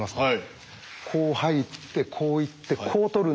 こう入ってこういってこう取るんですけど。